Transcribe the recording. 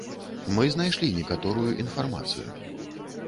Мы знайшлі некаторую інфармацыю.